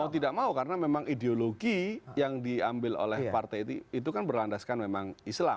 mau tidak mau karena memang ideologi yang diambil oleh partai itu kan berlandaskan memang islam